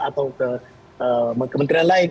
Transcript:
atau ke menteri lain